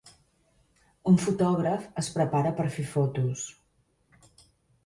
Un fotògraf es prepara per fer fotos.